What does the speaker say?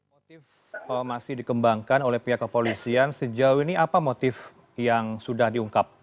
motif masih dikembangkan oleh pihak kepolisian sejauh ini apa motif yang sudah diungkap